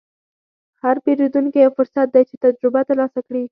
هر پیرودونکی یو فرصت دی چې تجربه ترلاسه کړې.